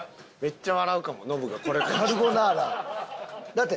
だって。